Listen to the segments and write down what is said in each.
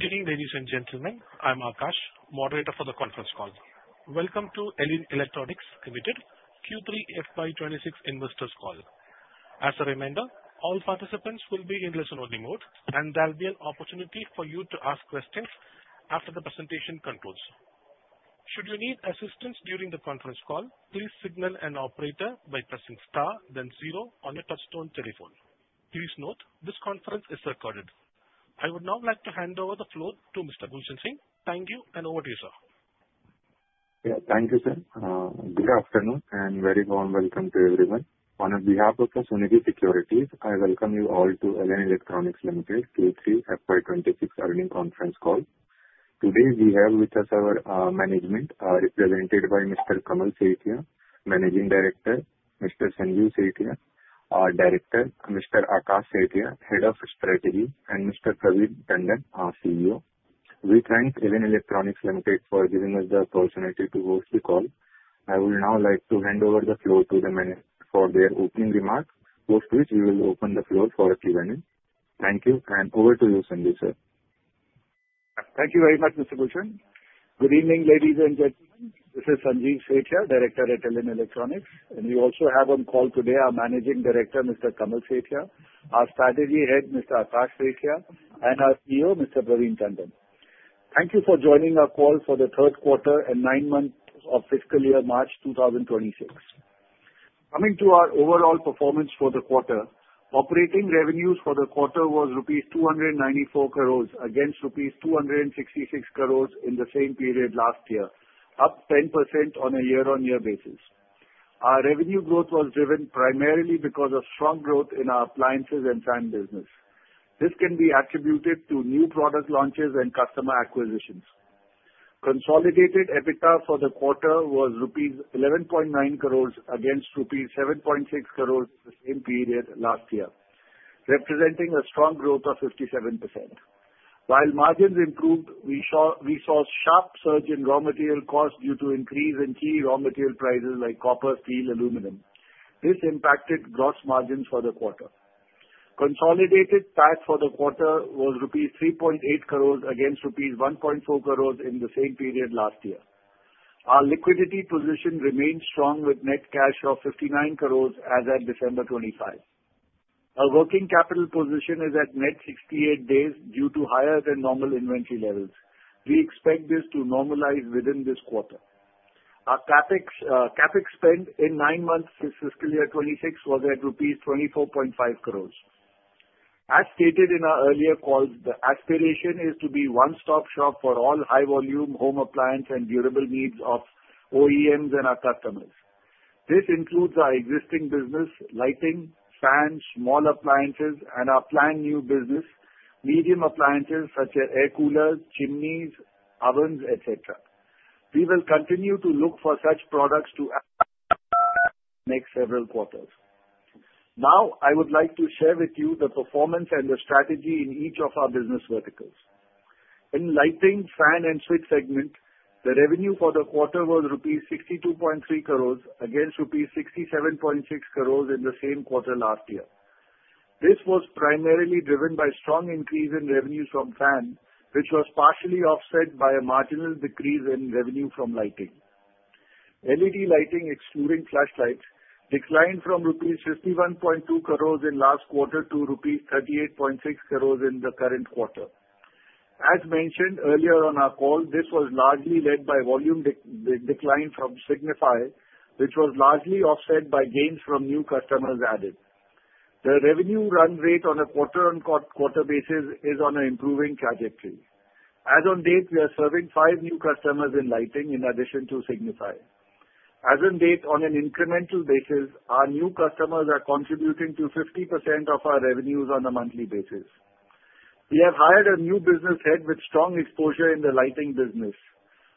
Good evening, ladies and gentlemen. I'm Akash, moderator for the conference call. Welcome to Elin Electronics Limited Q3 FY 2026 investors call. As a reminder, all participants will be in listen-only mode, and there'll be an opportunity for you to ask questions after the presentation concludes. Should you need assistance during the conference call, please signal an operator by pressing star then zero on your touchtone telephone. Please note, this conference is recorded. I would now like to hand over the floor to Mr. Gulshan Singh. Thank you, and over to you, sir. Yeah. Thank you, sir. Good afternoon, and very warm welcome to everyone. On behalf of Sunidhi Securities, I welcome you all to Elin Electronics Limited Q3 FY 2026 earnings conference call. Today, we have with us our management, represented by Mr. Kamal Sethia, Managing Director; Mr. Sanjeev Sethia, our Director; Mr. Akash Sethia, Head of Strategy; and Mr. Praveen Tandon, our CEO. We thank Elin Electronics Limited for giving us the opportunity to host the call. I would now like to hand over the floor to the management for their opening remarks, after which we will open the floor for Q&A. Thank you, and over to you, Sanjeev, sir. Thank you very much, Mr. Gulshan. Good evening, ladies and gentlemen. This is Sanjeev Sethia, Director at Elin Electronics, and we also have on call today our Managing Director, Mr. Kamal Sethia, our Strategy Head, Mr. Akash Sethia, and our CEO, Mr. Praveen Tandon. Thank you for joining our call for the third quarter and nine months of fiscal year March 2026. Coming to our overall performance for the quarter, operating revenues for the quarter was rupees 294 crores against rupees 266 crores in the same period last year, up 10% on a year-on-year basis. Our revenue growth was driven primarily because of strong growth in our appliances and fan business. This can be attributed to new product launches and customer acquisitions. Consolidated EBITDA for the quarter was rupees 11.9 crores against rupees 7.6 crores the same period last year, representing a strong growth of 57%. While margins improved, we saw, we saw sharp surge in raw material costs due to increase in key raw material prices like copper, steel, aluminum. This impacted gross margins for the quarter. Consolidated tax for the quarter was rupees 3.8 crores against rupees 1.4 crores in the same period last year. Our liquidity position remains strong, with net cash of 59 crores as at December 2025. Our working capital position is at net 68 days due to higher than normal inventory levels. We expect this to normalize within this quarter. Our CapEx, CapEx spend in nine months for fiscal year 2026 was at rupees 24.5 crores. As stated in our earlier calls, the aspiration is to be one-stop shop for all high volume home appliance and durable needs of OEMs and our customers. This includes our existing business, lighting, fans, small appliances, and our planned new business, medium appliances such as air coolers, chimneys, ovens, et cetera. We will continue to look for such products to next several quarters. Now, I would like to share with you the performance and the strategy in each of our business verticals. In lighting, fan, and switch segment, the revenue for the quarter was rupees 62.3 crore against rupees 67.6 crore in the same quarter last year. This was primarily driven by strong increase in revenues from fan, which was partially offset by a marginal decrease in revenue from lighting. LED lighting, excluding flashlights, declined from rupees 51.2 crores in last quarter to rupees 38.6 crores in the current quarter. As mentioned earlier on our call, this was largely led by volume decline from Signify, which was largely offset by gains from new customers added. The revenue run rate on a quarter-on-quarter basis is on a improving trajectory. As on date, we are serving five new customers in lighting in addition to Signify. As on date, on an incremental basis, our new customers are contributing to 50% of our revenues on a monthly basis. We have hired a new business head with strong exposure in the lighting business.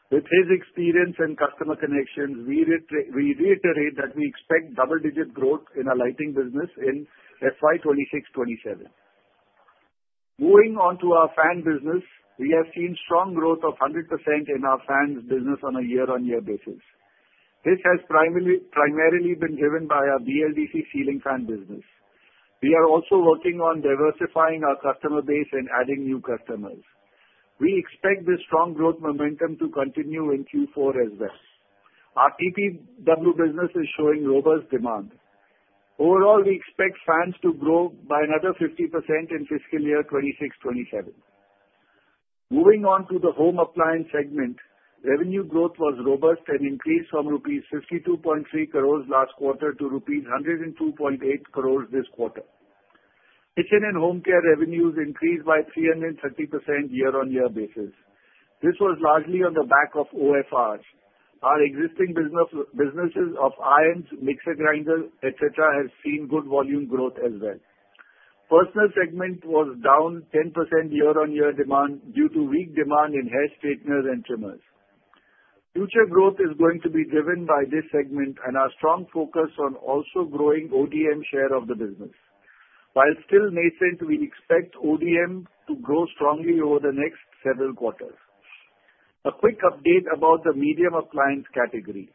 With his experience and customer connections, we reiterate that we expect double-digit growth in our lighting business in FY 2026, 2027. Moving on to our fan business, we have seen strong growth of 100% in our fans business on a year-on-year basis. This has primarily been driven by our BLDC ceiling fan business. We are also working on diversifying our customer base and adding new customers. We expect this strong growth momentum to continue in Q4 as well. Our TPW business is showing robust demand. Overall, we expect fans to grow by another 50% in fiscal year 2026-2027. Moving on to the home appliance segment, revenue growth was robust and increased from INR 52.3 crores last quarter to INR 102.8 crores this quarter. Kitchen and home care revenues increased by 330% year-on-year basis. This was largely on the back of OFRs. Our existing business, businesses of irons, mixer grinder, et cetera, has seen good volume growth as well. Personal segment was down 10% year-on-year demand due to weak demand in hair straighteners and trimmers. Future growth is going to be driven by this segment and our strong focus on also growing ODM share of the business. While still nascent, we expect ODM to grow strongly over the next several quarters. A quick update about the medium appliance category.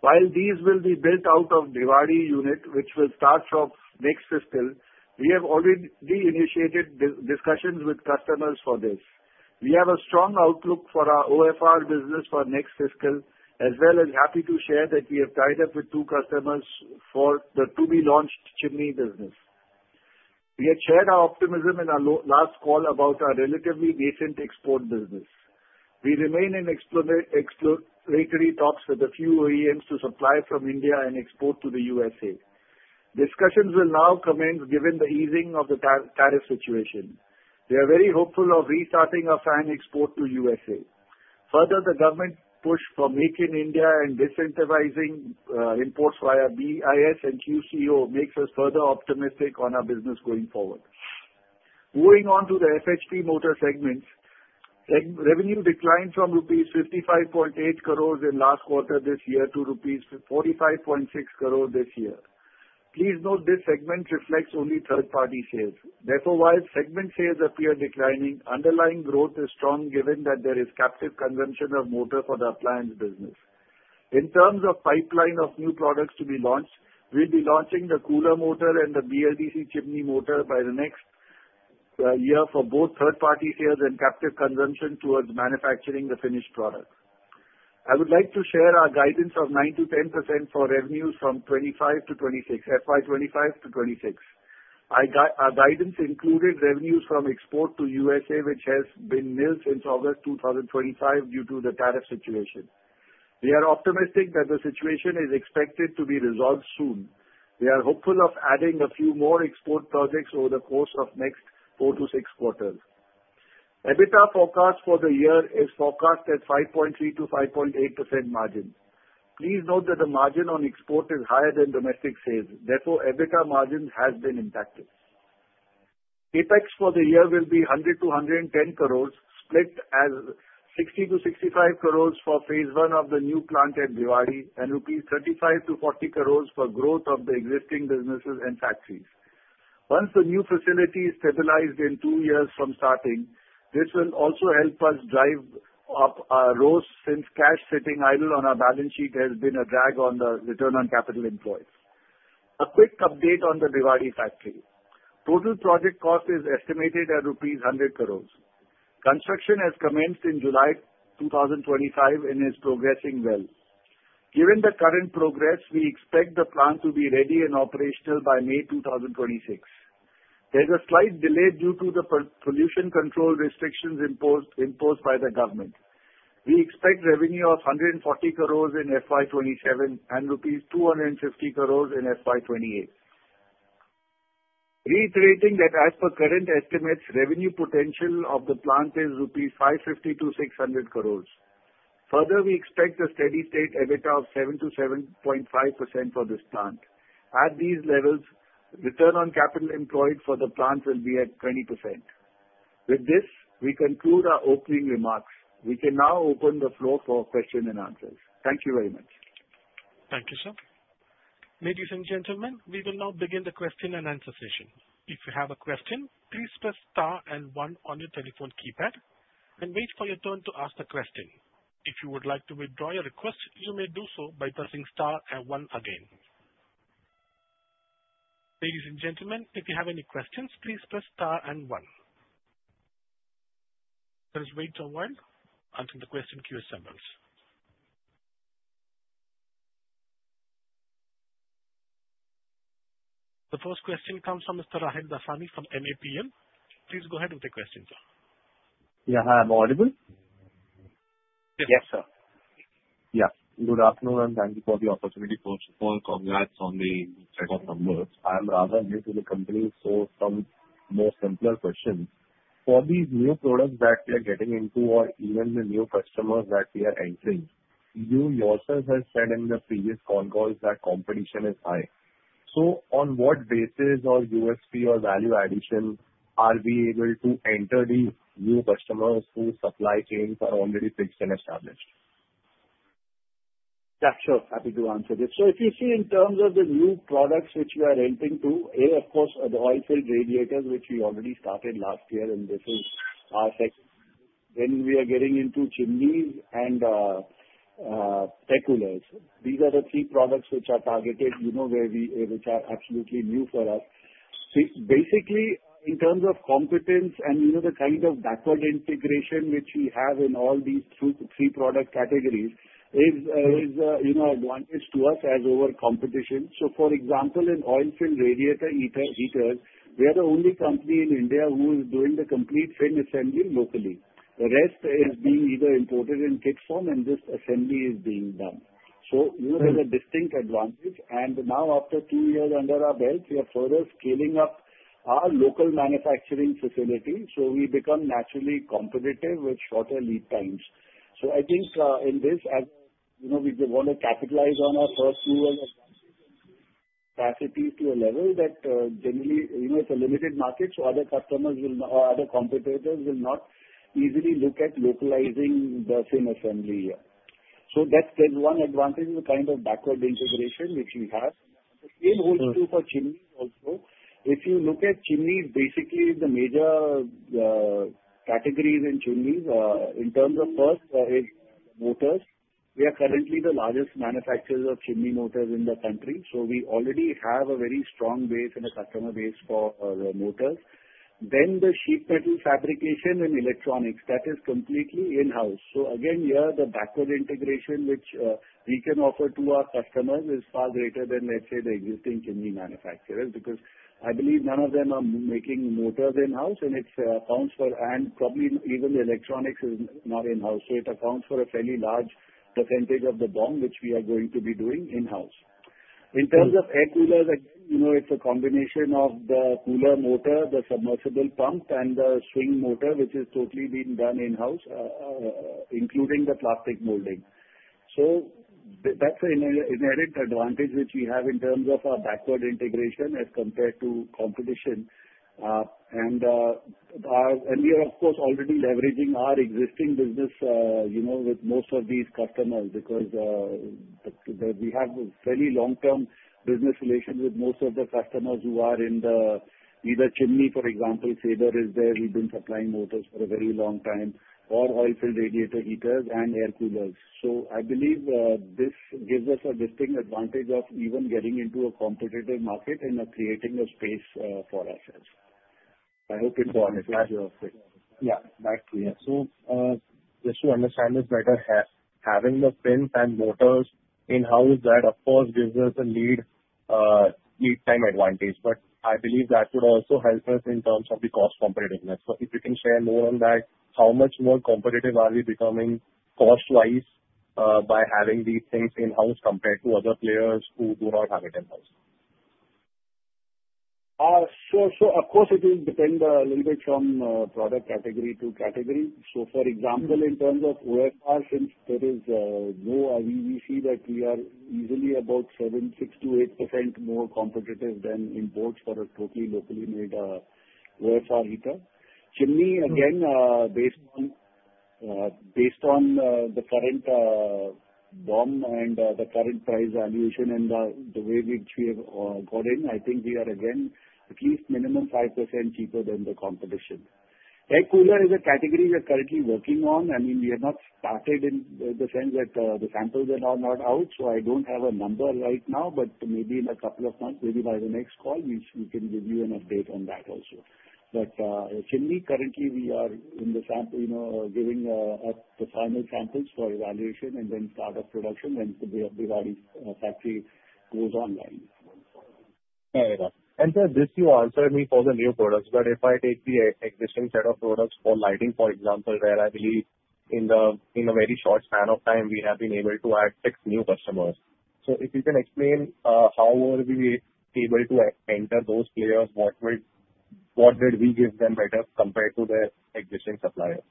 While these will be built out of Bhiwandi unit, which will start from next fiscal, we have already reinitiated discussions with customers for this. We have a strong outlook for our OFR business for next fiscal, as well as happy to share that we have tied up with two customers for the to-be-launched chimney business. We had shared our optimism in our last call about our relatively recent export business. We remain in exploratory talks with a few OEMs to supply from India and export to the USA. Discussions will now commence, given the easing of the tariff situation. We are very hopeful of restarting our fan export to USA. Further, the government push for Make in India and decentralizing imports via BIS and QCO makes us further optimistic on our business going forward. Moving on to the FHP motor segment, revenue declined from rupees 55.8 crore in last quarter this year to rupees 45.6 crore this year. Please note, this segment reflects only third-party sales. Therefore, while segment sales appear declining, underlying growth is strong, given that there is captive consumption of motor for the appliance business. In terms of pipeline of new products to be launched, we'll be launching the cooler motor and the BLDC chimney motor by the next year for both third-party sales and captive consumption towards manufacturing the finished product. I would like to share our guidance of 9%-10% for revenues from 2025-2026, FY 2025-2026. Our guidance included revenues from export to USA, which has been nil since August 2025 due to the tariff situation. We are optimistic that the situation is expected to be resolved soon. We are hopeful of adding a few more export projects over the course of next four to six quarters. EBITDA forecast for the year is forecast at 5.3%-5.8% margin. Please note that the margin on export is higher than domestic sales, therefore, EBITDA margin has been impacted. CapEx for the year will be 100 crore-110 crores, split as 60 crores-65 crores for phase one of the new plant at Bhiwandi and 35 crores-40 crores rupees for growth of the existing businesses and factories. Once the new facility is stabilized in two years from starting, this will also help us drive up our ROCE, since cash sitting idle on our balance sheet has been a drag on the return on capital employed. A quick update on the Bhiwandi factory. Total project cost is estimated at 100 crores. Construction has commenced in July 2025 and is progressing well. Given the current progress, we expect the plant to be ready and operational by May 2026. There's a slight delay due to the pollution control restrictions imposed by the government. We expect revenue of 140 crores in FY 2027 and rupees 250 crores in FY 2028. Reiterating that, as per current estimates, revenue potential of the plant is 550 crores-600 crores rupees. Further, we expect a steady-state EBITDA of 7%-7.5% for this plant. At these levels, return on capital employed for the plant will be at 20%. With this, we conclude our opening remarks. We can now open the floor for question and answers. Thank you very much. Thank you, sir. Ladies and gentlemen, we will now begin the question and answer session. If you have a question, please press star and one on your telephone keypad, and wait for your turn to ask the question. If you would like to withdraw your request, you may do so by pressing star and one again. Ladies and gentlemen, if you have any questions, please press star and one. Let us wait a while until the question queue assembles. The first question comes from Mr. Rahil Dasani from MAPL. Please go ahead with the question, sir. Yeah. Hi, I'm audible? Yes, sir. Yeah. Good afternoon, and thank you for the opportunity. First of all, congrats on the set of numbers. I'm rather new to the company, so some more simpler questions. For these new products that we are getting into or even the new customers that we are entering, you yourselves have said in the previous con calls that competition is high. So on what basis or USP or value addition are we able to enter the new customers whose supply chains are already fixed and established? Yeah, sure, happy to answer this. So if you see in terms of the new products which we are entering into, A, of course, the oil-filled radiators, which we already started last year, and this is our tech. Then we are getting into chimneys and air coolers. These are the three products which are targeted, you know, which are absolutely new for us. B, basically, in terms of competence and, you know, the kind of backward integration which we have in all these two, three product categories is, is, you know, advantage to us as over competition. So for example, in oil-filled radiator heater, heaters, we are the only company in India who is doing the complete frame assembly locally. The rest is being either imported in kit form, and just assembly is being done. So we have a distinct advantage, and now after two years under our belt, we are further scaling up our local manufacturing facility, so we become naturally competitive with shorter lead times. So I think, in this, as you know, we want to capitalize on our first mover capacity to a level that, generally, you know, it's a limited market, so other customers will not-- or other competitors will not easily look at localizing the same assembly here. So that's the one advantage of the kind of backward integration which we have. The same holds true for chimneys also. If you look at chimneys, basically the major categories in chimneys in terms of first is motors. We are currently the largest manufacturers of chimney motors in the country, so we already have a very strong base and a customer base for motors. Then the sheet metal fabrication and electronics, that is completely in-house. So again, here, the backward integration which we can offer to our customers is far greater than, let's say, the existing chimney manufacturers. Because I believe none of them are making motors in-house and it accounts for and probably even the electronics is not in-house, so it accounts for a fairly large percentage of the BOM, which we are going to be doing in-house. Good. In terms of air coolers, you know, it's a combination of the cooler motor, the submersible pump, and the swing motor, which is totally being done in-house, including the plastic molding. So that's an inherent advantage which we have in terms of our backward integration as compared to competition. And we are of course already leveraging our existing business, you know, with most of these customers because we have a fairly long-term business relations with most of the customers who are in the either chimney, for example, Faber is there, we've been supplying motors for a very long time, or oil-filled radiator heaters and air coolers. So I believe this gives us a distinct advantage of even getting into a competitive market and creating a space for ourselves. I hope it answers your question. Got it. Yeah, back to you. So, just to understand this better, having the prints and motors in-house, that of course gives us a lead time advantage, but I believe that would also help us in terms of the cost competitiveness. So if you can share more on that, how much more competitive are we becoming cost-wise, by having these things in-house compared to other players who do not have it in-house? So, of course it will depend a little bit from product category to category. For example, in terms of OFR, since there is, we see that we are easily about 6%-8% more competitive than imports for a totally locally made OFR heater. Chimney again based on, based on, the current, BOM and, the current price valuation and, the way which we have, got in, I think we are again, at least minimum 5% cheaper than the competition. Air cooler is a category we are currently working on. I mean, we have not started in the sense that, the samples are not out, so I don't have a number right now, but maybe in a couple of months, maybe by the next call, we can give you an update on that also. But, chimney, currently we are in the sample, you know, giving, the final samples for evaluation and then start up production, and the Bhiwandi, factory goes online. Fair enough. And sir, this you answered me for the new products, but if I take the existing set of products for lighting, for example, where I believe in a very short span of time we have been able to add six new customers. So if you can explain how were we able to enter those players, what did we give them better compared to their existing suppliers?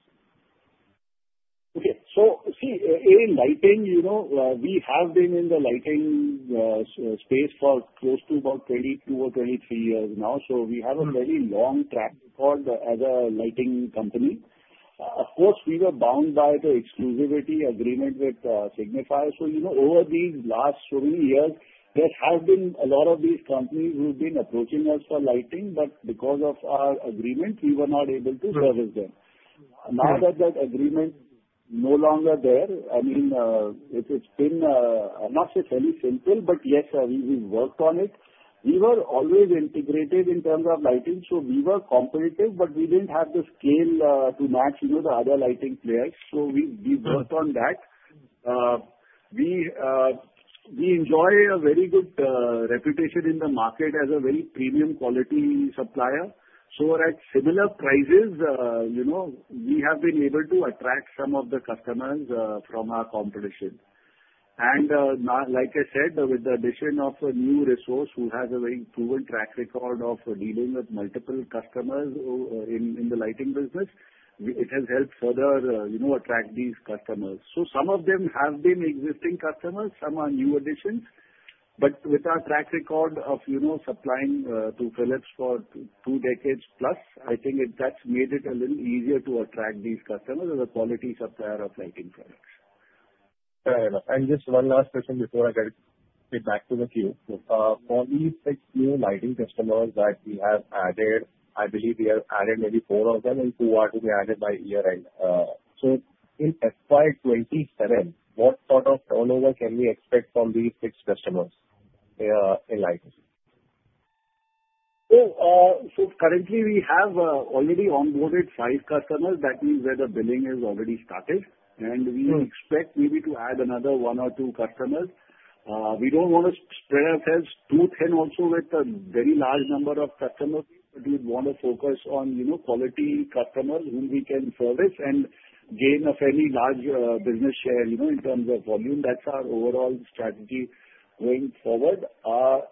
Okay. So see, in lighting, you know, we have been in the lighting space for close to about 22 or 23 years now. So we have a very long track record as a lighting company. Of course, we were bound by the exclusivity agreement with Signify. So, you know, over these last so many years, there have been a lot of these companies who've been approaching us for lighting, but because of our agreement, we were not able to service them. Right. Now that that agreement no longer there, I mean, it, it's been not just very simple, but yes, we, we worked on it. We were always integrated in terms of lighting, so we were competitive, but we didn't have the scale to match, you know, the other lighting players, so we, we worked on that. We, we enjoy a very good reputation in the market as a very premium quality supplier. So we're at similar prices, you know, we have been able to attract some of the customers from our competition. And now, like I said, with the addition of a new resource who has a very proven track record of dealing with multiple customers who in the lighting business, it has helped further, you know, attract these customers. So some of them have been existing customers, some are new additions, but with our track record of, you know, supplying to Philips for two decades plus, I think that's made it a little easier to attract these customers as a quality supplier of lighting products. Fair enough. Just one last question before I get it back to the queue. For these six new lighting customers that we have added, I believe we have added maybe four of them, and two are to be added by year-end. So in FY 2027, what sort of turnover can we expect from these six customers in lighting? So, currently we have already onboarded five customers, that means where the billing is already started. And we expect maybe to add another one or two customers. We don't want to spread ourselves too thin also with a very large number of customers. We want to focus on, you know, quality customers whom we can service and gain a fairly large business share, you know, in terms of volume. That's our overall strategy going forward.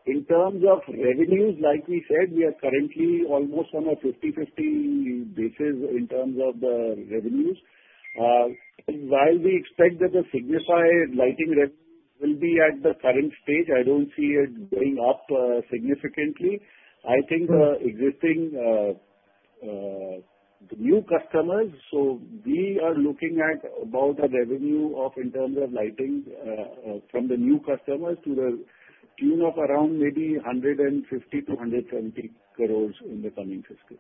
In terms of revenues, like we said, we are currently almost on a 50/50 basis in terms of the revenues. While we expect that the Signify lighting revenue will be at the current stage, I don't see it going up significantly. Mm-hmm. I think the new customers, so we are looking at about the revenue of in terms of lighting, from the new customers to the tune of around maybe 150 crores-170 crores in the coming fiscal.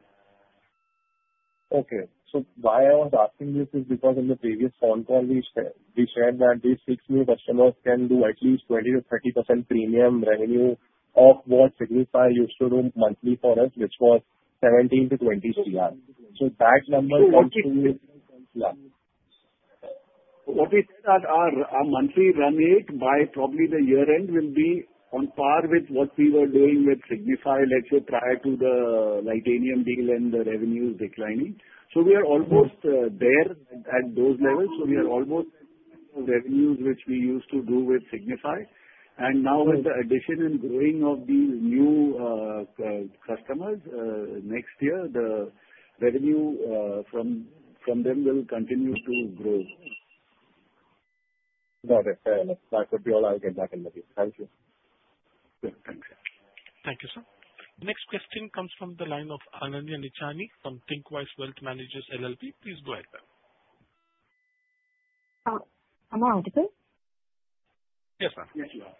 Okay. So why I was asking this is because in the previous phone call, we said, we said that these six new customers can do at least 20%-30% premium revenue of what Signify used to do monthly for us, which was 17 crore-20 crore. So that number comes to- What we said, our monthly run rate by probably the year-end will be on par with what we were doing with Signify, let's say, prior to the Litanium deal and the revenues declining. So we are almost there at those levels. So we are almost revenues, which we used to do with Signify. And now with the addition and growing of these new customers, next year, the revenue from them will continue to grow. Got it. That would be all. I'll get back in the queue. Thank you. Yeah, thank you. Thank you, sir. Next question comes from the line of Ananya Nichani from Thinqwise Wealth Managers LLP. Please go ahead, ma'am. Am I audible? Yes, ma'am. Yes, you are.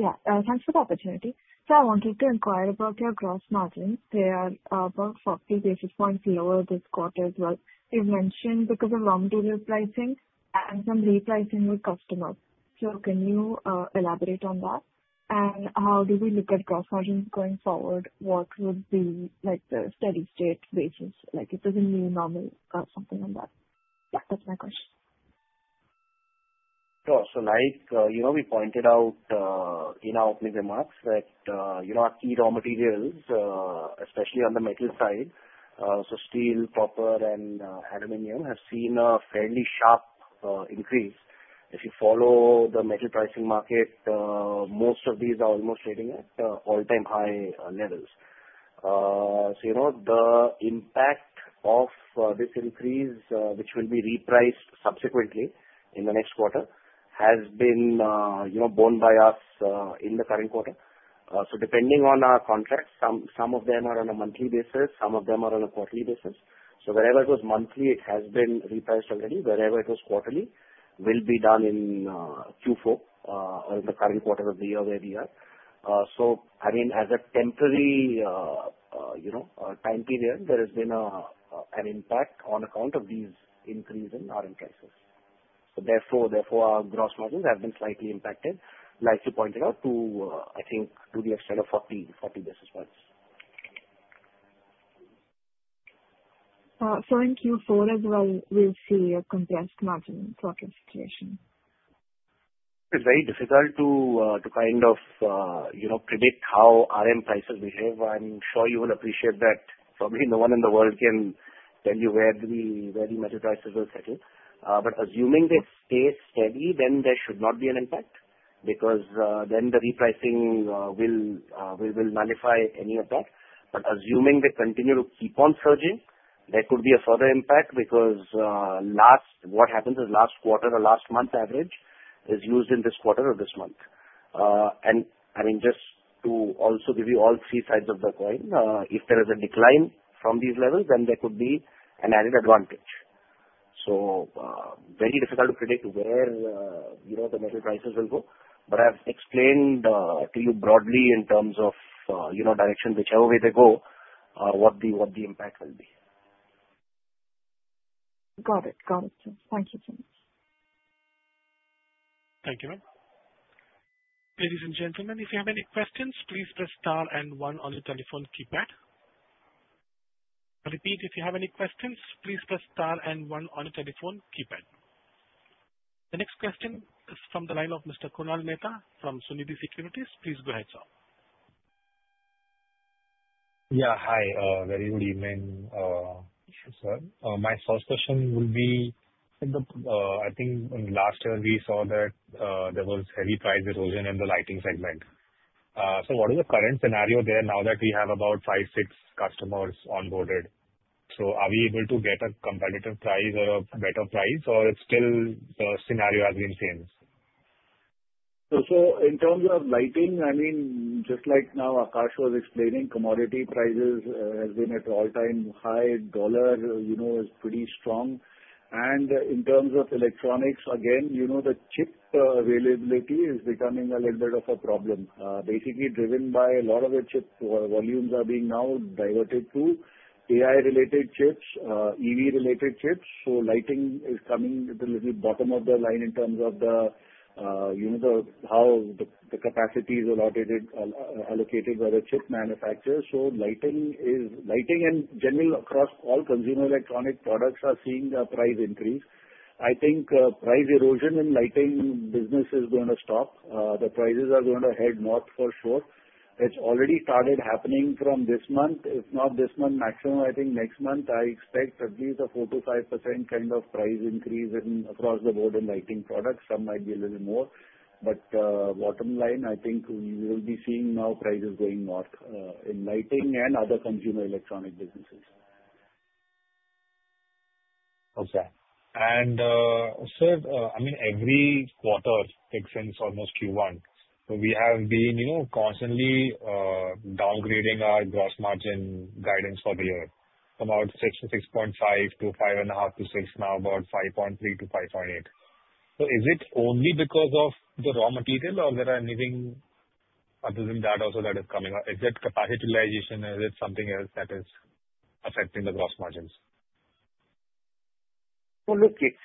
Yeah, thanks for the opportunity. So I wanted to inquire about your gross margins. They are about 40 basis points lower this quarter as well. You've mentioned because of raw material pricing and some repricing with customers. So can you elaborate on that? And how do we look at gross margins going forward? What would be like the steady state basis, like, if there's a new normal, something on that? Yeah, that's my question. Sure. So like, you know, we pointed out in our opening remarks that, you know, our key raw materials, especially on the metal side, so steel, copper, and aluminum, have seen a fairly sharp increase. If you follow the metal pricing market, most of these are almost trading at all-time high levels. So, you know, the impact of this increase, which will be repriced subsequently in the next quarter, has been, you know, borne by us in the current quarter. So depending on our contracts, some of them are on a monthly basis, some of them are on a quarterly basis. So wherever it was monthly, it has been repriced already. Wherever it was quarterly, will be done in Q4 or in the current quarter of the year where we are. So I mean, as a temporary, you know, time period, there has been an impact on account of these increase in our end prices. So therefore, therefore, our gross margins have been slightly impacted, like you pointed out, to, I think to the extent of 40, 40 basis points. So in Q4 as well, we'll see a compressed margin for this situation? It's very difficult to, to kind of, you know, predict how RM prices behave. I'm sure you will appreciate that probably no one in the world can tell you where the metal prices will settle. But assuming they stay steady, then there should not be an impact, because, then the repricing will nullify any of that. But assuming they continue to keep on surging, there could be a further impact because, what happens is last quarter or last month average is used in this quarter or this month. And I mean, just to also give you all three sides of the coin, if there is a decline from these levels, then there could be an added advantage. So, very difficult to predict where, you know, the metal prices will go. But I've explained to you broadly in terms of, you know, direction, whichever way they go, what the impact will be. Got it. Got it. Thank you. Thank you, ma'am. Ladies and gentlemen, if you have any questions, please press star and one on your telephone keypad. I repeat, if you have any questions, please press star and one on your telephone keypad. The next question is from the line of Mr. Kunal Mehta from Sunidhi Securities. Please go ahead, sir. Yeah, hi, very good evening, sir. My first question will be, I think in last year we saw that, there was heavy price erosion in the lighting segment. So what is the current scenario there now that we have about five, six customers onboarded? So are we able to get a competitive price or a better price, or it's still the scenario has been same? So in terms of lighting, I mean, just like now Akash was explaining, commodity prices has been at all-time high. The dollar, you know, is pretty strong. And in terms of electronics, again, you know, the chip availability is becoming a little bit of a problem, basically driven by a lot of the chip volumes are being now diverted to AI-related chips, EV-related chips. So lighting is coming at the little bottom of the line in terms of the, you know, the, how the, the capacity is allotted, allocated by the chip manufacturer. So lighting is, lighting and generally across all consumer electronic products are seeing a price increase. I think, price erosion in lighting business is going to stop. The prices are going to head north for sure. It's already started happening from this month. If not this month, maximum, I think next month, I expect at least a 4%-5% kind of price increase in across the board in lighting products. Some might be a little more, but, bottom line, I think we will be seeing now prices going north in lighting and other consumer electronic businesses. Okay. And, so, I mean, every quarter, since almost Q1, so we have been, you know, constantly, downgrading our gross margin guidance for the year, from about 6%-6.5% to 5.5%-6%, now about 5.3%-5.8%. So is it only because of the raw material, or there are anything other than that also that is coming up? Is it capitalization or is it something else that is affecting the gross margins? Well, look, it's.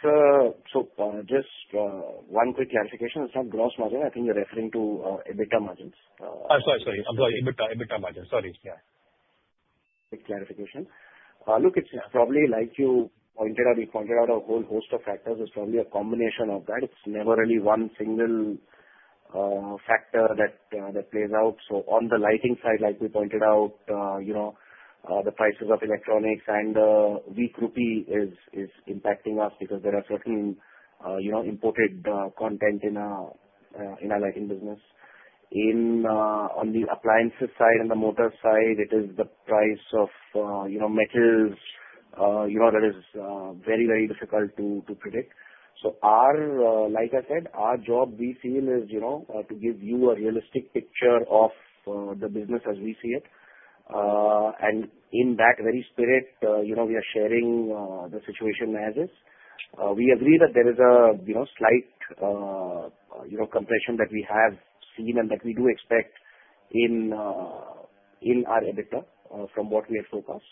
So, just, one quick clarification. It's not gross margin. I think you're referring to EBITDA margins. I'm sorry, sorry. I'm sorry, EBITDA, EBITDA margin. Sorry, yeah. Quick clarification. Look, it's probably like you pointed out, you pointed out a whole host of factors. It's probably a combination of that. It's never really one single factor that plays out. So on the lighting side, like we pointed out, you know, the prices of electronics and weak rupee is impacting us because there are certain, you know, imported content in our lighting business. On the appliances side and the motor side, it is the price of, you know, metals, you know, that is very, very difficult to predict. So our, like I said, our job, we feel is, you know, to give you a realistic picture of the business as we see it. And in that very spirit, you know, we are sharing the situation as is. We agree that there is a you know slight you know compression that we have seen and that we do expect in our EBITDA from what we have forecast.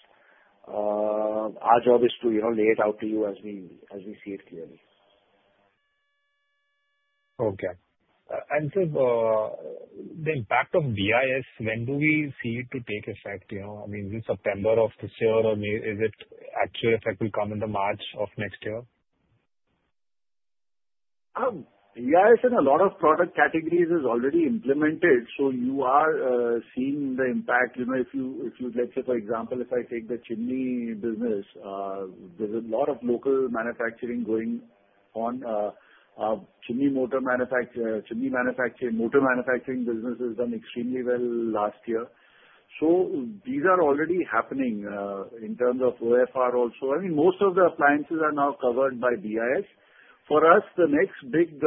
Our job is to you know lay it out to you as we see it clearly. Okay. And so, the impact of BIS, when do we see it to take effect, you know? I mean, in September of this year, or May, is it actual effect will come in the March of next year? Yes, in a lot of product categories it is already implemented, so you are seeing the impact. You know, if you let's say, for example, if I take the chimney business, there's a lot of local manufacturing going on. Chimney manufacture, motor manufacturing business has done extremely well last year. So these are already happening in terms of OFR also. I mean, most of the appliances are now covered by BIS. For us, the next big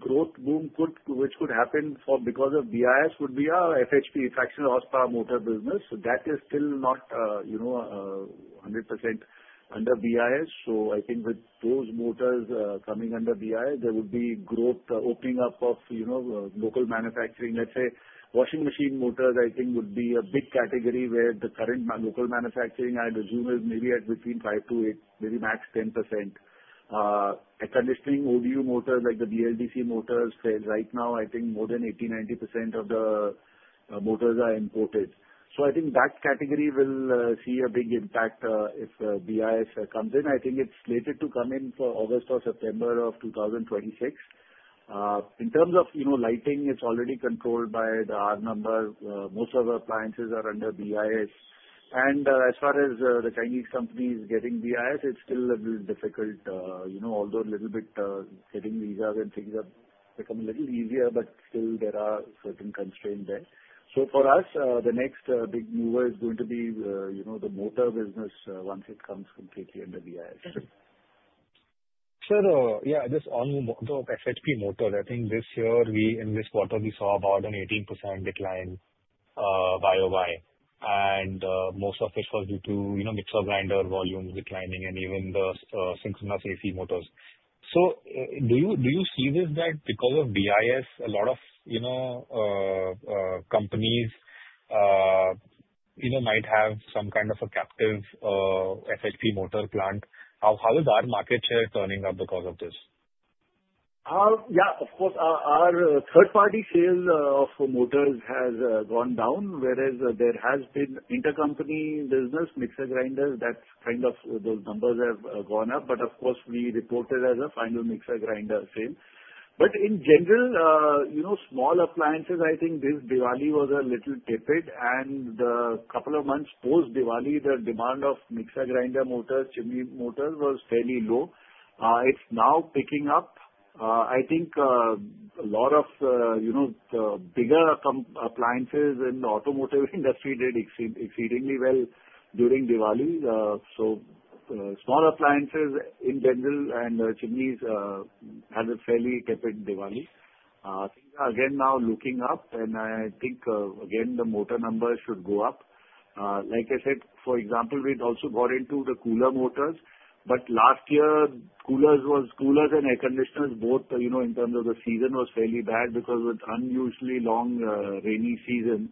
growth boom, which could happen because of BIS, would be our FHP, fractional horsepower motor business. So that is still not you know 100% under BIS. So I think with those motors coming under BIS, there would be growth opening up of you know local manufacturing. Let's say, washing machine motors, I think would be a big category where the current local manufacturing, I'd assume, is maybe at between 5%-8%, maybe max 10%. Air conditioning, ODU motors, like the BLDC motors, where right now I think more than 80%-90% of the motors are imported. So I think that category will see a big impact if BIS comes in. I think it's slated to come in for August or September of 2026. In terms of, you know, lighting, it's already controlled by the R number. Most of our appliances are under BIS. And as far as the Chinese companies getting BIS, it's still a little difficult. You know, although a little bit, getting visa and things have become a little easier, but still there are certain constraints there. So for us, the next, big mover is going to be, you know, the motor business, once it comes completely under BIS. Sure. Yeah, just on the FHP motor, I think this year we, in this quarter, we saw about an 18% decline, YoY. And, most of it was due to, you know, mixer grinder volumes declining and even the, synchronous AC motors. So, do you, do you see this, that because of BIS, a lot of, you know, companies, you know, might have some kind of a captive FHP motor plant? How, how is our market share turning up because of this? Yeah, of course. Our third-party sales for motors has gone down, whereas there has been intercompany business, mixer grinders, that kind of, those numbers have gone up, but of course, we reported as a final mixer grinder sale. But in general, you know, small appliances, I think this Diwali was a little tepid, and a couple of months post-Diwali, the demand of mixer grinder motors, chimney motors, was fairly low. It's now picking up. I think a lot of you know, the bigger appliances and automotive industry did exceedingly well during Diwali. So small appliances in general and chimneys had a fairly tepid Diwali. Again now looking up, and I think again, the motor numbers should go up. Like I said, for example, we'd also got into the cooler motors, but last year coolers was... coolers and air conditioners, both, you know, in terms of the season, was fairly bad because of unusually long rainy season.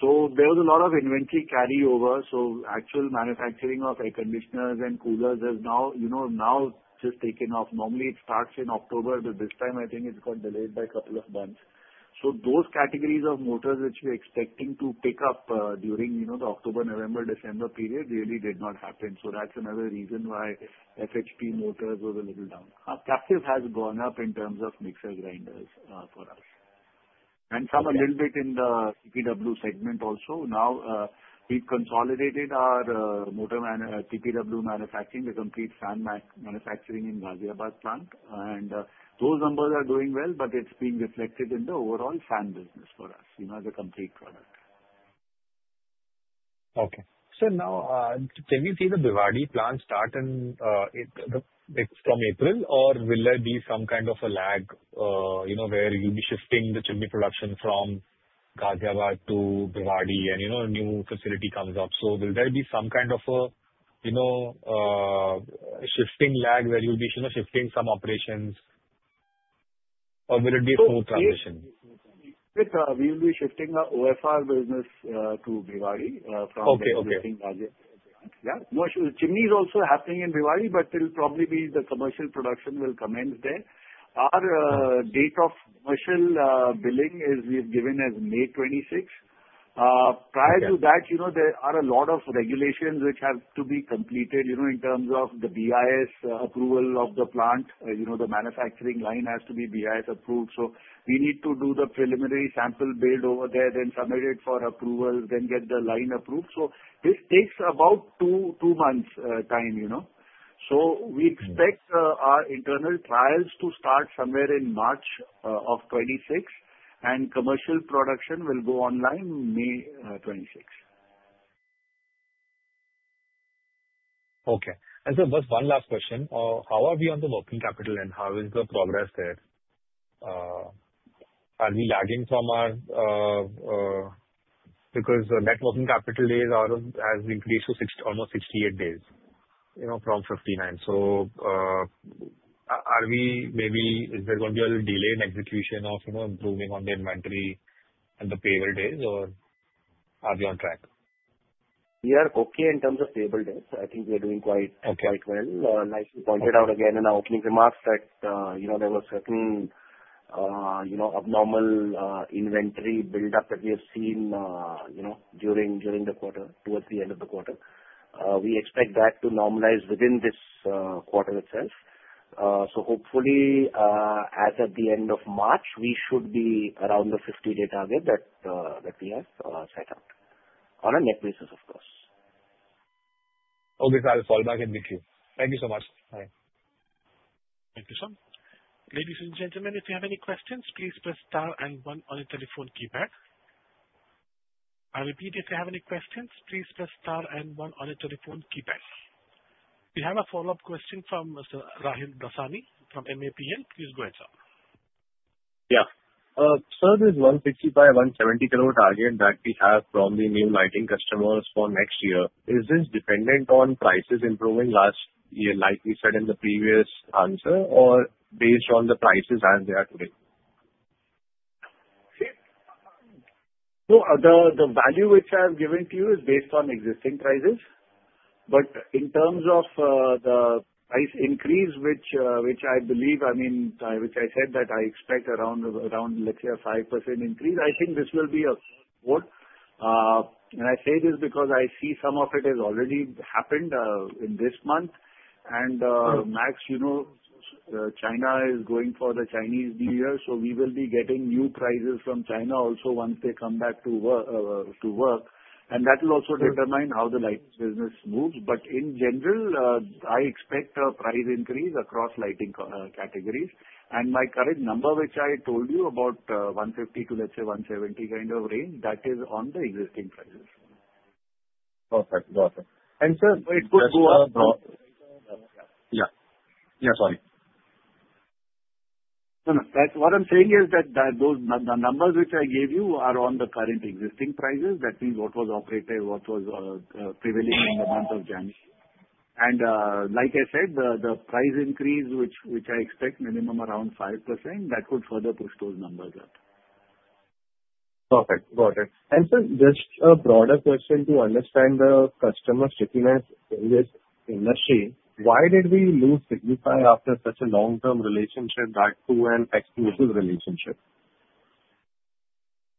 So there was a lot of inventory carryover. So actual manufacturing of air conditioners and coolers has now, you know, now just taken off. Normally, it starts in October, but this time I think it got delayed by a couple of months. So those categories of motors which we're expecting to pick up during, you know, the October, November, December period, really did not happen. So that's another reason why FHP motors were a little down. Our captive has gone up in terms of mixer grinders for us. Okay. And some a little bit in the TPW segment also. Now, we consolidated our motor manufacturing, the complete fan manufacturing in Ghaziabad plant. Those numbers are doing well, but it's being reflected in the overall fan business for us, you know, as a complete product. Okay. So now, can you see the Bhiwandi plant start in it from April, or will there be some kind of a lag, you know, where you'll be shifting the chimney production from Ghaziabad to Bhiwandi, and, you know, a new facility comes up? So will there be some kind of a, you know, shifting lag, where you'll be, you know, shifting some operations, or will it be a smooth transition? We will be shifting our OFR business to Bhiwandi from- Okay, okay. Yeah. No, chimneys also happening in Bhiwandi, but it'll probably be the commercial production will commence there. Our date of commercial billing is, we've given as May 26th. Okay. Prior to that, you know, there are a lot of regulations which have to be completed, you know, in terms of the BIS approval of the plant. You know, the manufacturing line has to be BIS approved, so we need to do the preliminary sample build over there, then submit it for approval, then get the line approved. So this takes about two, two months, time, you know. So we- Mm-hmm. Expect our internal trials to start somewhere in March of 2026, and commercial production will go online May 26th. Okay. And so just one last question. How are we on the working capital, and how is the progress there? Are we lagging from our... Because the net working capital days are, has increased to 60-almost 68 days, you know, from 59. So, are we maybe, is there going to be a delay in execution of, you know, improving on the inventory and the payable days, or are we on track? We are okay in terms of payable days. I think we are doing quite- Okay. Quite well. Nicely pointed out again in our opening remarks that, you know, there were certain, you know, abnormal, inventory buildup that we have seen, you know, during, during the quarter, towards the end of the quarter. We expect that to normalize within this, quarter itself. So hopefully, as at the end of March, we should be around the 50-day target that, that we have, set out on a net basis, of course. Okay, sir. I'll fall back in the queue. Thank you so much. Bye. Thank you, sir. Ladies and gentlemen, if you have any questions, please press star and one on your telephone keypad. I'll repeat. If you have any questions, please press star and one on your telephone keypad. We have a follow-up question from Mr. Rahil Dasani from MAPL. Please go ahead, sir. Yeah. Sir, this 150 crore-170 crore target that we have from the new lighting customers for next year, is this dependent on prices improving last year, like we said in the previous answer, or based on the prices as they are today? So the value which I have given to you is based on existing prices, but in terms of the price increase, which I believe, I mean, which I said that I expect around, let's say, a 5% increase, I think this will be a quote. And I say this because I see some of it has already happened in this month. Mm-hmm. Max, you know, China is going for the Chinese New Year, so we will be getting new prices from China also once they come back to work, and that will also- Sure. -determine how the lighting business moves. But in general, I expect a price increase across lighting co, categories. And my current number, which I told you about, 150-170 kind of range, that is on the existing prices. Perfect. Got it. Sir, it could go up, yeah. Yeah, sorry. No, no, that's... What I'm saying is that those, the numbers which I gave you are on the current existing prices. That means what was operated, what was prevailing in the month of January. And, like I said, the price increase, which I expect minimum around 5%, that could further push those numbers up. Perfect. Got it. And, sir, just a broader question to understand the customer stickiness in this industry: Why did we lose Signify after such a long-term relationship, that too an exclusive relationship?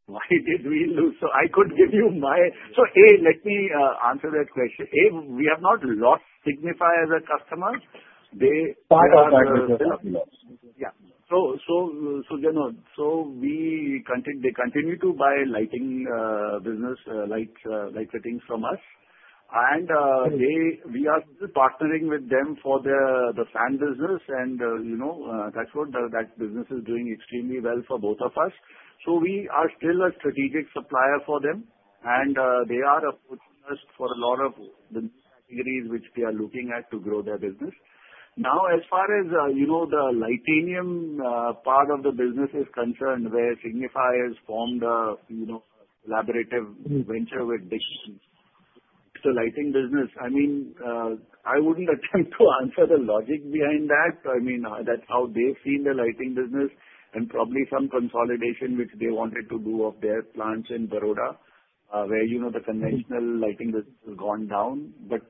Why did we lose? So I could give you my... So, A, let me answer that question. A, we have not lost Signify as a customer. They- Part of that business was lost. Yeah. So, Signify, not so they continue to buy lighting business, lights, light fittings from us. Mm-hmm. And, they, we are partnering with them for their, the fan business and, you know, that's what, that business is doing extremely well for both of us. So we are still a strategic supplier for them, and they are a customer for a lot of the new categories which we are looking at to grow their business. Now, as far as, you know, the lighting, part of the business is concerned, where Signify has formed a, you know, collaborative- Mm-hmm. -venture with Philips, the lighting business, I mean, I wouldn't attempt to answer the logic behind that. I mean, that's how they see the lighting business, and probably some consolidation, which they wanted to do, of their plants in Baroda, where, you know, the conventional- Mm-hmm. Lighting has gone down. But,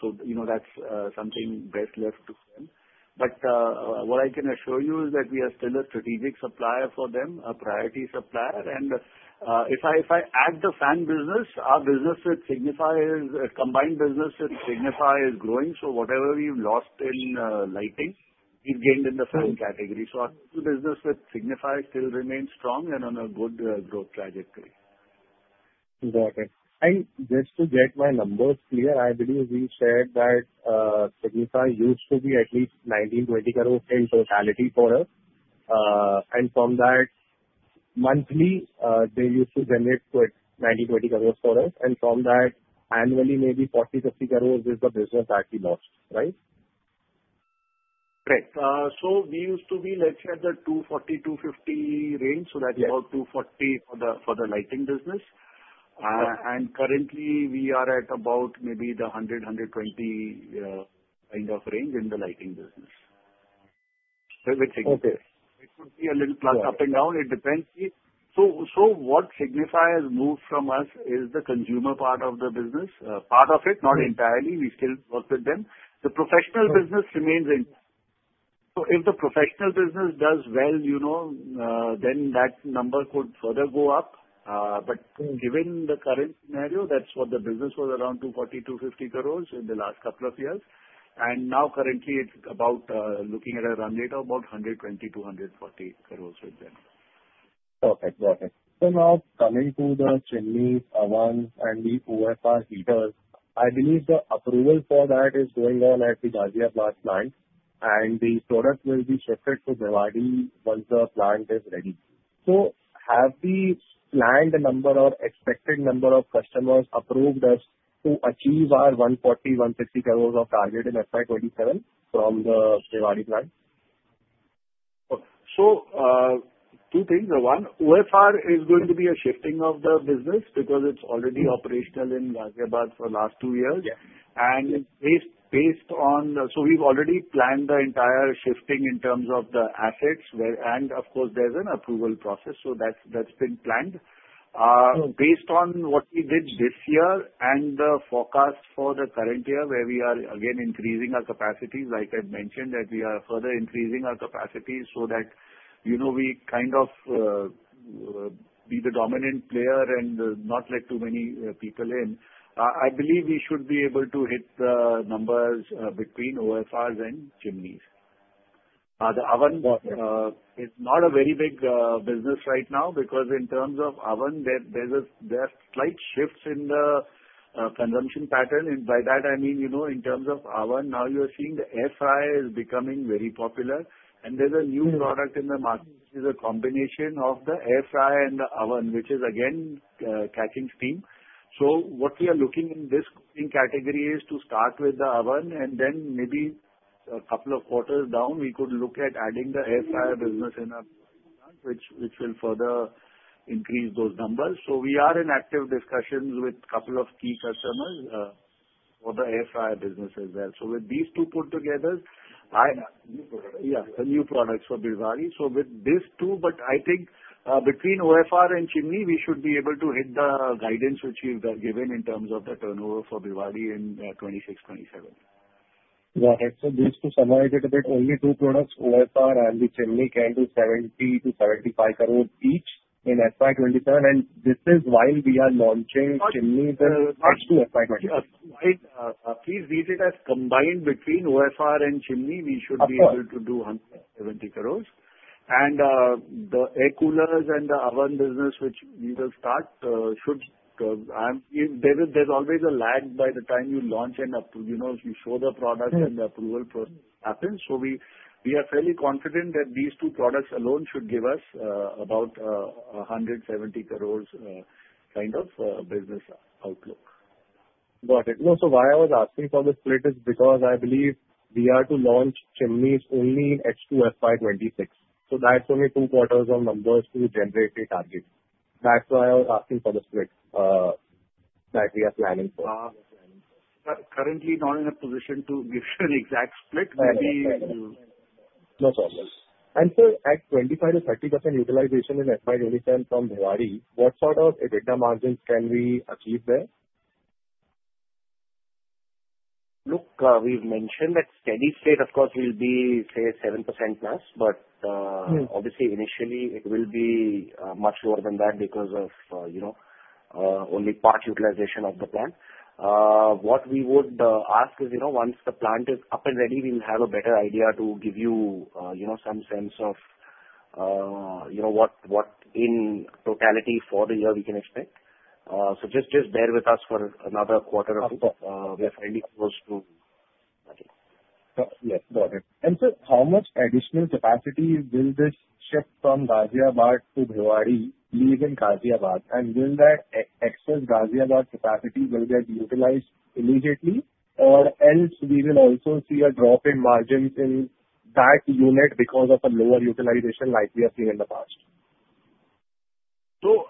so, you know, that's something best left to them. But, what I can assure you is that we are still a strategic supplier for them, a priority supplier. And, if I, if I add the fan business, our business with Signify is, combined business with Signify is growing. So whatever we've lost in, lighting- Mm-hmm. We've gained in the fan category. So our business with Signify still remains strong and on a good growth trajectory. Got it. Just to get my numbers clear, I believe you said that, Signify used to be at least 19-20 crore in totality for us? And from that monthly, they used to generate 20 crore, 90 crore, 20 crore for us, and from that annually maybe 40-50 crore is the business that we lost, right? Correct. So we used to be, let's say, at the 240-250 range. Yes. That's about 240 for the lighting business. Currently we are at about maybe the 100-120 kind of range in the lighting business. Okay. It could be a little plus, up and down, it depends. So, so what Signify has moved from us is the consumer part of the business. Part of it- Mm. Not entirely, we still work with them. Mm. The professional business remains in. So if the professional business does well, you know, then that number could further go up. But given the current scenario, that's what the business was around 240 crores-250 crores in the last couple of years, and now currently it's about, looking at a run rate of about 120 crore-140 crores with them. Perfect. Perfect. So now coming to the chimney ovens and the OFR heaters, I believe the approval for that is going on at the Ghaziabad plant, and the product will be shifted to Bhiwandi once the plant is ready. So have we planned a number or expected number of customers approved us to achieve our 140 crore-150 crores target in FY 2027 from the Bhiwandi plant? So, two things, one, OFR is going to be a shifting of the business because it's already operational in Ghaziabad for the last two years. Yeah. And it's based on... So we've already planned the entire shifting in terms of the assets and of course, there's an approval process, so that's been planned. Based on what we did this year and the forecast for the current year, where we are again increasing our capacity, like I mentioned, that we are further increasing our capacity so that, you know, we kind of be the dominant player and not let too many people in. I believe we should be able to hit the numbers between OFRs and chimneys. The oven- Got it. is not a very big business right now because in terms of oven, there are slight shifts in the consumption pattern. And by that, I mean, you know, in terms of oven, now you're seeing the air fryer is becoming very popular, and there's a new product in the market. It's a combination of the air fryer and the oven, which is again catching steam. So what we are looking in this cooking category is to start with the oven, and then maybe a couple of quarters down, we could look at adding the air fryer business in our plant, which will further increase those numbers. So we are in active discussions with a couple of key customers for the air fryer business as well. So with these two put together, I... Yeah. Yeah, new products for Bhiwandi. So with these two, but I think, between OFR and chimney, we should be able to hit the guidance which we have given in terms of the turnover for Bhiwandi in 2026-2027. Got it. So just to summarize it a bit, only two products, OFR and the chimney, can do 70 crore-75 crore each in FY 2027, and this is why we are launching chimney in H2 FY 2027. Please read it as combined between OFR and chimney, we should- Of course... be able to do 170 crore. And, the air coolers and the oven business, which we will start, should, and there is, there's always a lag by the time you launch and up, you know, you show the product and the approval process happens. So we are fairly confident that these two products alone should give us about 170 crore kind of business outlook. Got it. No, so why I was asking for the split is because I believe we are to launch chimneys only in H2 FY 2026, so that's only two quarters of numbers to generate a target. That's why I was asking for the split, that we are planning for. Currently, not in a position to give you an exact split. Maybe- No problems. And so at 25%-30% utilization in FY 2027 from Bhiwandi, what sort of EBITDA margins can we achieve there? Look, we've mentioned that steady state, of course, will be, say, 7%+. But, obviously, initially it will be much lower than that because of, you know, only part utilization of the plant. What we would ask is, you know, once the plant is up and ready, we'll have a better idea to give you, you know, some sense of, you know, what, what in totality for the year we can expect. So just, just bear with us for another quarter. Okay. We are fairly close to that. Yes, got it. And so how much additional capacity will this shift from Ghaziabad to Bhiwandi leave in Ghaziabad? And will that excess Ghaziabad capacity will get utilized immediately, or else we will also see a drop in margins in that unit because of a lower utilization like we have seen in the past? So,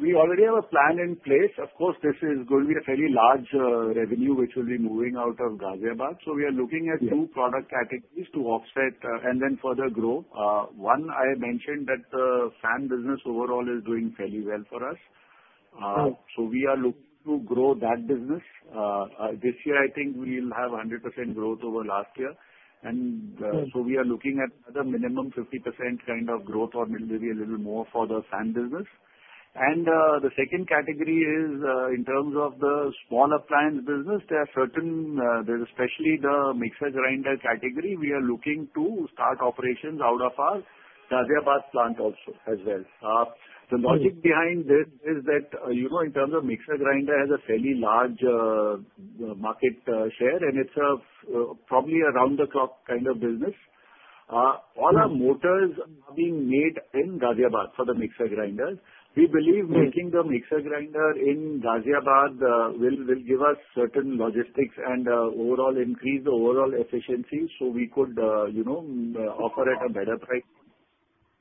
we already have a plan in place. Of course, this is going to be a fairly large revenue, which will be moving out of Ghaziabad. Yeah. So we are looking at two product categories to offset, and then further grow. One, I mentioned that the fan business overall is doing fairly well for us. Mm. We are looking to grow that business. This year, I think we'll have 100% growth over last year. Mm. So we are looking at the minimum 50% kind of growth or maybe a little more for the fan business. The second category is, in terms of the smaller appliance business, there are certain, there is especially the mixer grinder category, we are looking to start operations out of our Ghaziabad plant also, as well. Mm. The logic behind this is that, you know, in terms of mixer grinder has a fairly large market share, and it's a probably around-the-clock kind of business. All our motors are being made in Ghaziabad for the mixer grinders. We believe making the mixer grinder in Ghaziabad will give us certain logistics and overall increase the overall efficiency, so we could, you know, offer at a better price.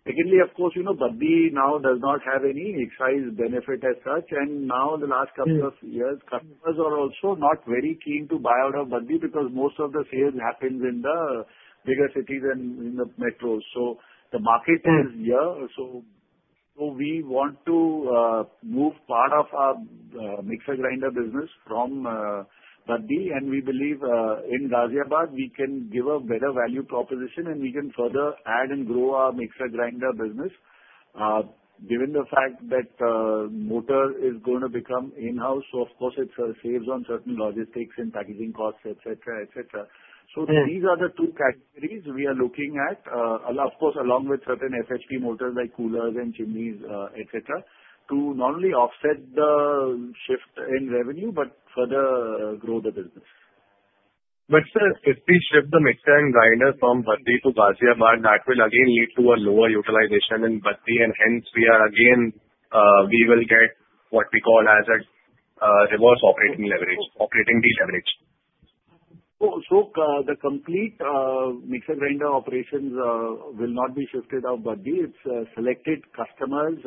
Secondly, of course, you know, Baddi now does not have any excise benefit as such, and now in the last couple of years, customers are also not very keen to buy out of Baddi, because most of the sales happens in the bigger cities and in the metros. So the market is here, so, so we want to move part of our mixer grinder business from Baddi, and we believe in Ghaziabad, we can give a better value proposition, and we can further add and grow our mixer grinder business. Given the fact that motor is going to become in-house, so of course it saves on certain logistics and packaging costs, et cetera, et cetera. Yeah. So these are the two categories we are looking at. Of course, along with certain FHP motors, like coolers and chimneys, et cetera, to not only offset the shift in revenue, but further grow the business. But sir, if we ship the mixer and grinder from Baddi to Ghaziabad, that will again lead to a lower utilization in Baddi, and hence we are again, we will get what we call as a, reverse operating leverage, operating deleverage. So, the complete mixer grinder operations will not be shifted out Baddi. It's selected customers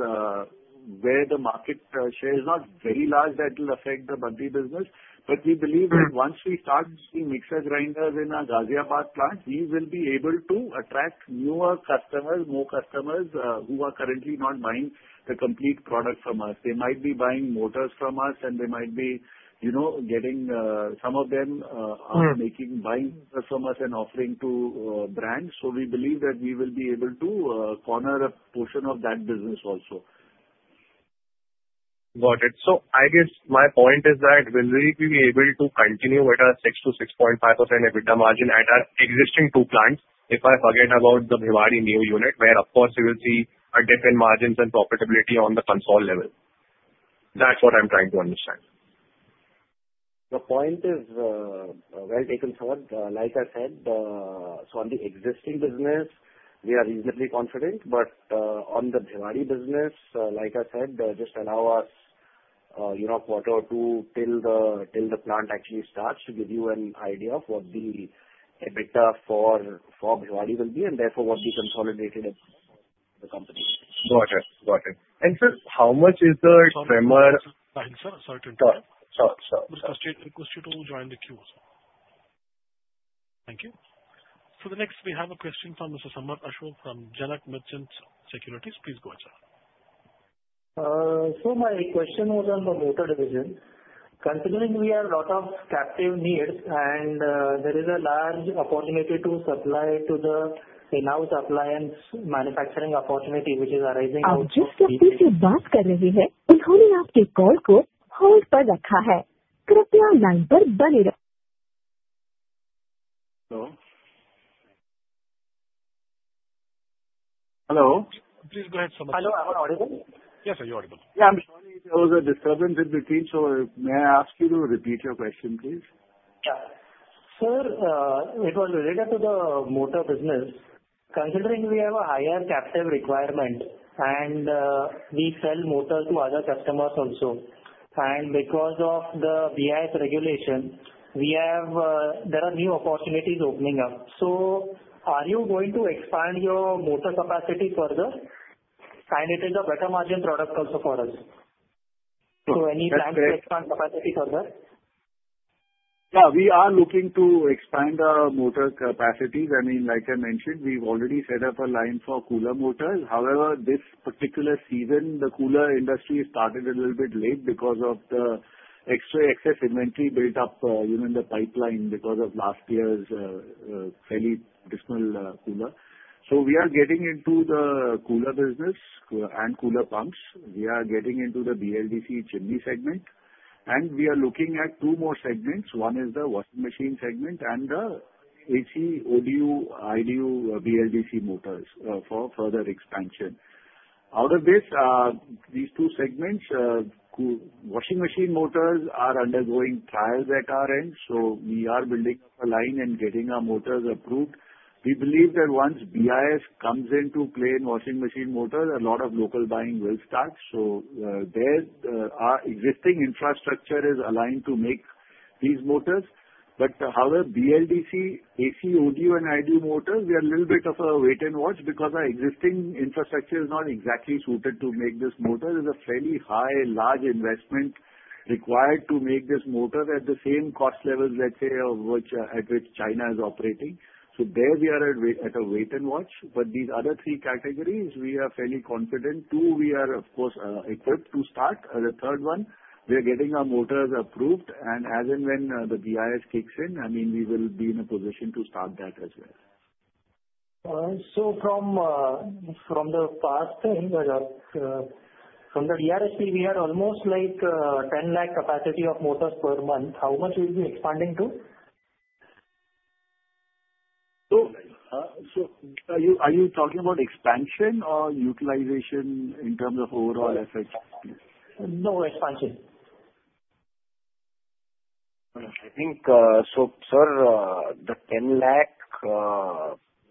where the market share is not very large that will affect the Baddi business. But we believe- Mm-hmm. -that once we start seeing mixer grinders in our Ghaziabad plant, we will be able to attract newer customers, more customers, who are currently not buying the complete product from us. They might be buying motors from us and they might be, you know, getting, some of them, Mm-hmm. Are making buying from us and offering to brands. So we believe that we will be able to corner a portion of that business also. Got it. So I guess my point is that will we be able to continue with our 6%-6.5% EBITDA margin at our existing two plants, if I forget about the Bhiwandi new unit, where, of course, you will see a dip in margins and profitability on the consolidated level? That's what I'm trying to understand. The point is, well taken, sir. Like I said, so on the existing business, we are reasonably confident, but, on the Bhiwandi business, like I said, just allow us, you know, a quarter or two till the plant actually starts to give you an idea of what the EBITDA for Bhiwandi will be, and therefore what we consolidated at the company. Got it, got it. And sir, how much is the trimmer? Sir, sorry, sir. Sorry to interrupt. Sorry, sorry, sorry. I request you to join the queue, sir. Thank you. The next we have a question from Mr. Samrat Ashok from Janak Merchant Securities. Please go ahead, sir. So my question was on the motor division. Considering we have a lot of captive needs and there is a large opportunity to supply to the in-house appliance manufacturing opportunity, which is arising out- Hello? Hello. Please go ahead, Samrat. Hello, am I audible? Yes, sir, you're audible. Yeah, I'm sorry, there was a disturbance in between, so may I ask you to repeat your question, please? Yeah. Sir, it was related to the motor business. Considering we have a higher captive requirement and we sell motors to other customers also, and because of the BIS regulation, we have, there are new opportunities opening up. So are you going to expand your motor capacity further? And it is a better margin product also for us. So any plan- That's right... to expand capacity further? Yeah, we are looking to expand our motor capacities. I mean, like I mentioned, we've already set up a line for cooler motors. However, this particular season, the cooler industry started a little bit late because of the extra excess inventory built up within the pipeline because of last year's fairly dismal cooler. So we are getting into the cooler business and cooler pumps. We are getting into the BLDC chimney segment, and we are looking at two more segments. One is the washing machine segment and the AC, ODU, IDU BLDC motors for further expansion. Out of this, these two segments, washing machine motors are undergoing trials at our end, so we are building a line and getting our motors approved. We believe that once BIS comes into play in washing machine motors, a lot of local buying will start. So, there, our existing infrastructure is aligned to make these motors. But however, BLDC, AC ODU and IDU motors, we are a little bit of a wait and watch because our existing infrastructure is not exactly suited to make this motor. It's a fairly high, large investment required to make this motor at the same cost level, let's say, which, at which China is operating. So there we are at wait, at a wait and watch, but these other three categories, we are fairly confident. Two, we are, of course, equipped to start. The third one, we are getting our motors approved, and as and when, the BIS kicks in, I mean, we will be in a position to start that as well. So from the past things that are from the DRHP, we are almost like 10 lakh capacity of motors per month. How much we'll be expanding to? So, so are you, are you talking about expansion or utilization in terms of overall effect? No, expansion. I think, so, sir, the 10 lakh, you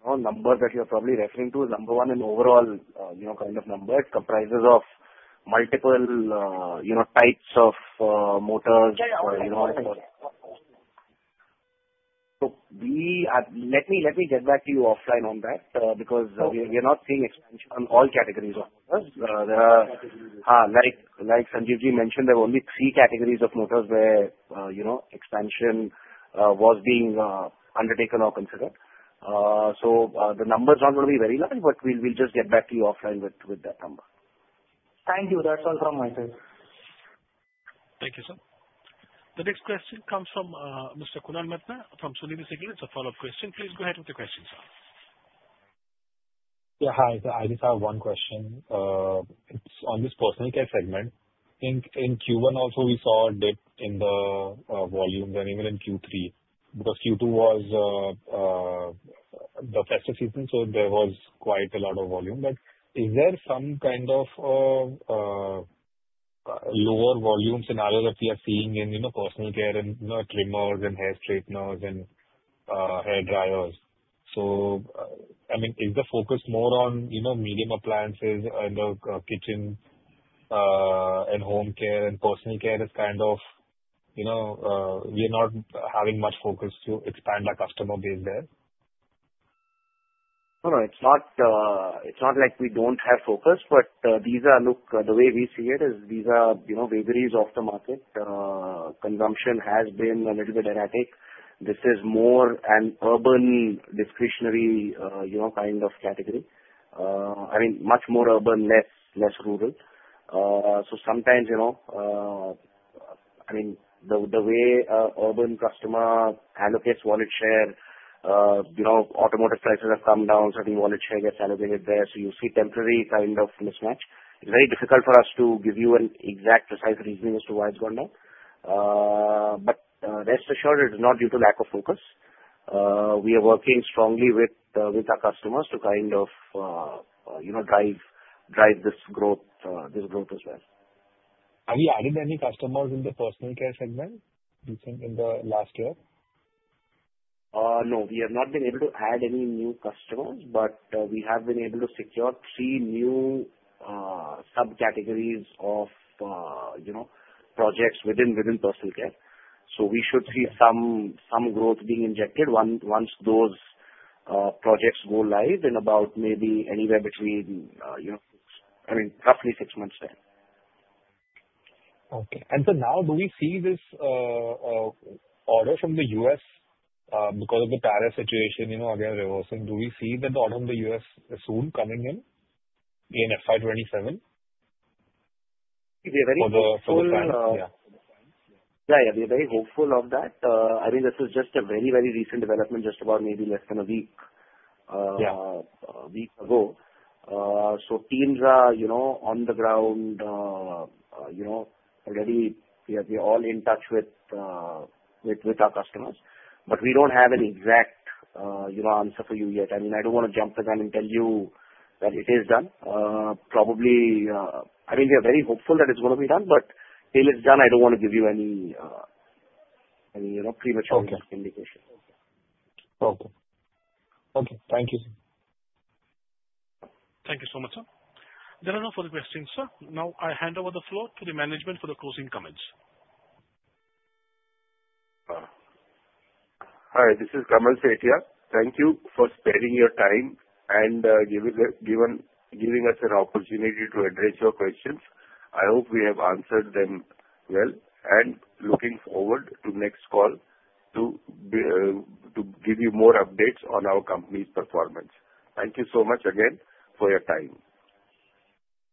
know, number that you're probably referring to, number one, in overall, you know, kind of number, comprises of multiple, you know, types of, motors, you know. Yeah. Let me get back to you offline on that, because- Okay. We are not seeing expansion on all categories of motors. Like, like Sanjeevji mentioned, there are only three categories of motors where, you know, expansion was being undertaken or considered. So, the numbers are not going to be very large, but we'll, we'll just get back to you offline with, with that number. Thank you. That's all from my side. Thank you, sir. The next question comes from Mr. Kunal Mehta from Sunidhi Securities. It's a follow-up question. Please go ahead with your question, sir. Yeah, hi. I just have one question. It's on this personal care segment. In Q1 also, we saw a dip in the volume and even in Q3, because Q2 was the festive season, so there was quite a lot of volume. But is there some kind of lower volume scenario that we are seeing in, you know, personal care and, you know, trimmers and hair straighteners and hair dryers? So, I mean, is the focus more on, you know, medium appliances and the kitchen and home care and personal care is kind of, you know, we are not having much focus to expand our customer base there? No, no, it's not, it's not like we don't have focus, but, these are... Look, the way we see it is these are, you know, vagaries of the market. Consumption has been a little bit erratic. This is more an urban discretionary, you know, kind of category. I mean, much more urban, less, less rural. So sometimes, you know, I mean, the, the way a urban customer allocates wallet share, you know, automotive prices have come down, so the wallet share gets allocated there. So you see temporary kind of mismatch. It's very difficult for us to give you an exact precise reasoning as to why it's gone down. But, rest assured, it is not due to lack of focus. We are working strongly with our customers to kind of, you know, drive this growth as well. Have you added any customers in the personal care segment, you think, in the last year? No, we have not been able to add any new customers, but we have been able to secure three new subcategories of, you know, projects within personal care. So we should see some growth being injected once those projects go live in about maybe anywhere between, you know, I mean, roughly six months time. Okay. And so now do we see this order from the U.S., because of the tariff situation, you know, again, reversing, do we see that the order from the U.S. is soon coming in in FY 2027? We are very hopeful- For the, yeah. Yeah. Yeah, we're very hopeful of that. I mean, this is just a very, very recent development, just about maybe less than a week. Yeah. A week ago. So teams are, you know, on the ground, you know, already, we are, we are all in touch with, with, with our customers. But we don't have an exact, you know, answer for you yet. I mean, I don't want to jump the gun and tell you that it is done. Probably, I mean, we are very hopeful that it's going to be done, but till it's done, I don't want to give you any, any, you know, premature- Okay. -indication. Okay. Okay. Thank you. Thank you so much, sir. There are no further questions, sir. Now, I hand over the floor to the management for the closing comments. Hi, this is Kamal Sethia. Thank you for sparing your time and giving us an opportunity to address your questions. I hope we have answered them well, and looking forward to next call to give you more updates on our company's performance. Thank you so much again for your time.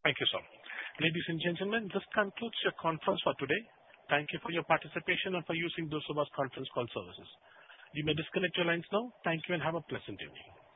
Thank you, sir. Ladies and gentlemen, this concludes your conference for today. Thank you for your participation and for using Sunidhi's conference call services. You may disconnect your lines now. Thank you, and have a pleasant evening.